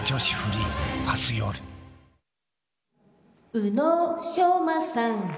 宇野昌磨さん。